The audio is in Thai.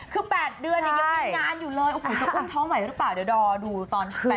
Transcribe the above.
คือ๘เดือนยังยังงานอยู่เลยจะอุ้มเท้าใหม่หรือเปล่าเดี๋ยวดอดูตอน๘เดือน